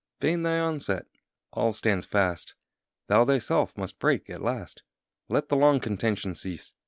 Vain thy onset! all stands fast. Thou thyself must break at last. Let the long contention cease!